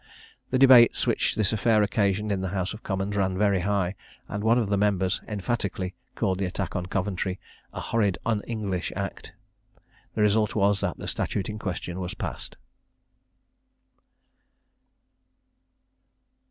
The debates which this affair occasioned in the House of Commons ran very high, and one of the members emphatically called the attack on Coventry "A horrid un English act." The result was that the statute in question was passed.